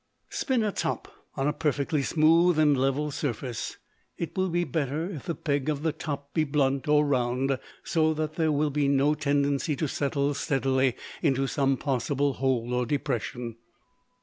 Spin a top on a perfectly smooth and level surface. It will be better if the peg of the top be blunt or round, so that there will be no tendency to settle steadily into some possible hole or depression.